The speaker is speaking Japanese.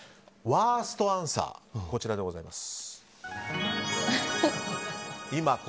ワーストアンサーでございます。